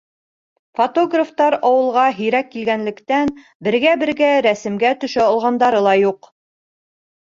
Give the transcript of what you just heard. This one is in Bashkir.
Фотографтар ауылға һирәк килгәнлектән, бергә-бергә рәсемгә төшә алғандары ла юҡ.